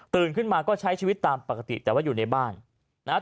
ขึ้นมาก็ใช้ชีวิตตามปกติแต่ว่าอยู่ในบ้านนะครับ